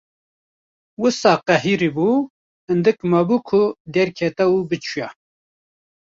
Wisa qehirîbû, hindik mabû ku derketa û biçûya.